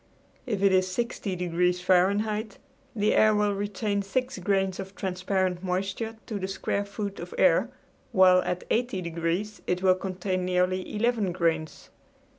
If it is 60 degrees Fahrenheit the air will retain six grains of transparent moisture to the square foot of air, while at 80 degrees it will contain nearly eleven grains.